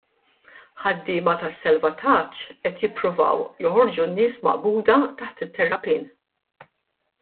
Ħaddiema tas-salvataġġ qed jippruvaw joħorġu n-nies maqbuda taħt it-terrapien.